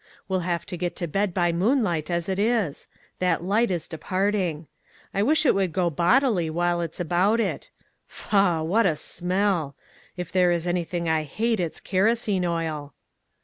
We'll have to get to bed by moonlight as it is; that light is departing. I wish it would go bodily while it's about it. Faugh ! what a smell ! If there is any thing I hate it's kerosene oil."